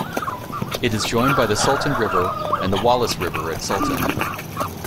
It is joined by the Sultan River and the Wallace River at Sultan.